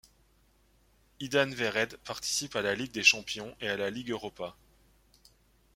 Idan Vered participe à la Ligue des champions et à la Ligue Europa.